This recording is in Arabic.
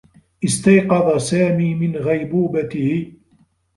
استيقظ سامي من غيبوبته.